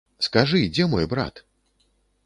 Скажы, дзе мой брат?